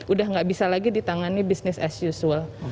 udah gak bisa lagi ditangani bisnis as usual